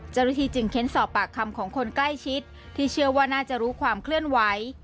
เจ้าหน้าที่จึงเค้นสอบปากคำของคนใกล้ชิดที่เชื่อว่าน่าจะรู้ความเคลื่อนไหว